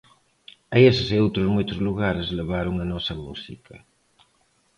A eses e outros moitos lugares levaron a nosa música.